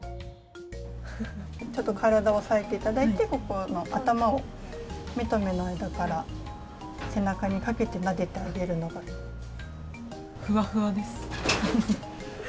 ちょっと体を押さえていただいて、ここの頭を、目と目の間から背中にかけて、なでてあげるのふわふわです。